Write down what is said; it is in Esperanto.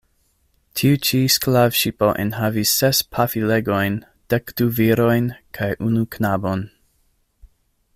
Tiu-ĉi sklavŝipo enhavis ses pafilegojn, dekdu virojn kaj unu knabon.